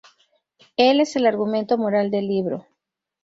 Él es el argumento moral del libro.